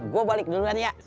gue balik duluan ya